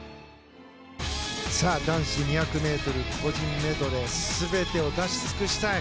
男子２００ｍ個人メドレー全てを出し尽くしたい。